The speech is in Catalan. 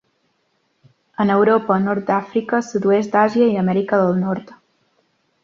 En Europa, Nord d'Àfrica, Sud-oest d'Àsia i Amèrica del nord.